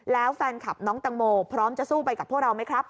แล้วแฟนคลับน้องตังโมพร้อมจะสู้ไปกับพวกเราไหมครับ